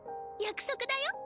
約束だよ。